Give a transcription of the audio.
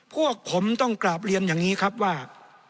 พวกผมต้องกราบเรียนอย่างนี้ครับว่า